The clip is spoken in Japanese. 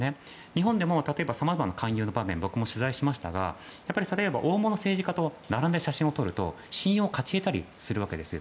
日本でもさまざまな勧誘の場面を僕も取材しましたが例えば、大物政治家と並んで写真を撮ると信用を勝ち得たりするわけです。